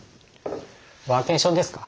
ワーケーションですか？